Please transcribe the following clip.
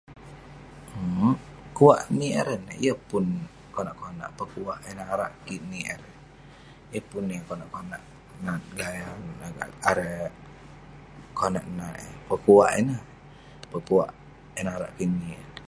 Umk..pekuwak niik erey nek..yeng pun konak konak..pekuwak eh narak kiik erey nek..yeng pun yah konak konak penganouk, gaya..erei..konak nat eh..pekuwak ineh, pekuwak eh narak kik niik..